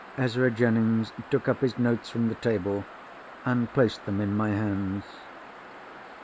Ezra Jennings took up his notes from the table, and placed them in my hands.